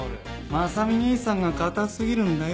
正海兄さんが堅過ぎるんだよ。